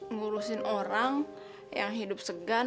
ngurusin orang yang hidup segan